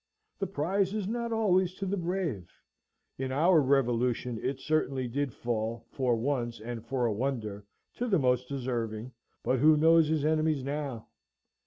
The prize is not always to the brave. In our revolution it certainly did fall, for once and for a wonder, to the most deserving: but who knows his enemies now?